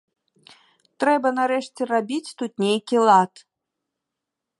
Трэба нарэшце рабіць тут нейкі лад.